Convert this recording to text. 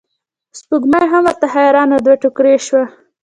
سپوږمۍ هم ورته حیرانه دوه توکړې شوه.